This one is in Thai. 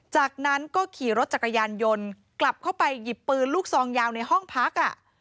จากนั้นก็ขี่รถจักรยานยนต์กลับเข้าไปหยิบปืนลูกซองยาวในห้องพัก